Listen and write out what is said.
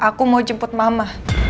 aku mau jemput mama